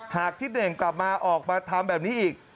หากที่ดำเนินกลับมาออกมาทำแบบนี้อีก